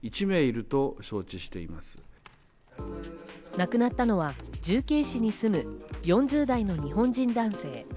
亡くなったのは重慶市に住む４０代の日本人男性。